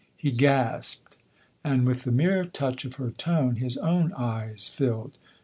He gasped, and with the mere touch of her tone his own eyes filled.